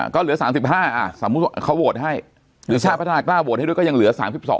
ก็เหลือ๓๕เขาโหวตให้หรือชาติประธานาภาคก็โหวตให้ด้วยก็ยังเหลือ๓๒๓๙